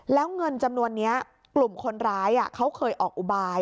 แล้วเงินจำนวนนี้กลุ่มคนร้ายเขาเคยออกอุบาย